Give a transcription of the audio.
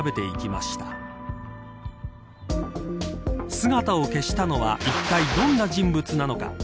姿を消したのはいったい、どんな人物なのか。